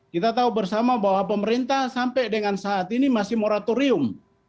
kita tahu bersama bahwa pemerintah sampai dengan saat ini masih moratorium